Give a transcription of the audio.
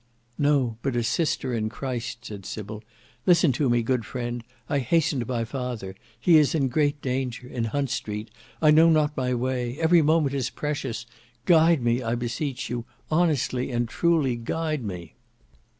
"No, but a sister in Christ," said Sybil; "listen to me, good friend. I hasten to my father,—he is in great danger,—in Hunt Street,—I know not my way,—every moment is precious,—guide me, I beseech you,—honestly and truly guide me!"